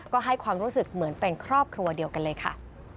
ก็ให้ความรู้สึกเหมือนเป็นครอบครัวเดียวกันเลยค่ะ